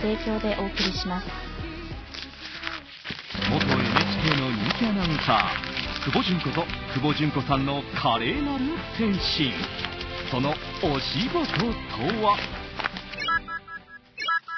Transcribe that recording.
元ＮＨＫの人気アナウンサークボジュンこと久保純子さんの華麗なる転身、そのお仕事とは。